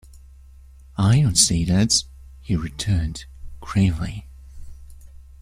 "I don't say that," he returned, gravely.